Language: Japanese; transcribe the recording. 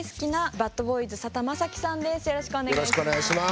よろしくお願いします。